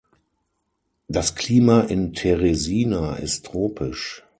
Das Klima in Teresina ist tropisch.